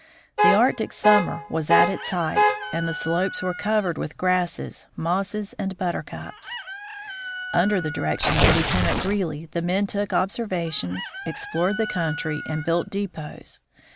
The Arctic summer was at its height, and the slopes were covered with grasses, mosses, and buttercups. Under the direction of Lieutenant Greely, the men took observations, explored the country, and built depots.